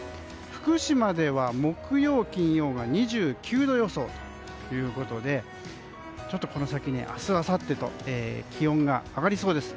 福島では木曜、金曜が２９度予想ということでこの先、明日あさってと気温が上がりそうです。